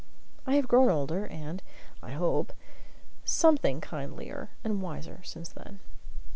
I have grown older, and, I hope, something kindlier and wiser since then.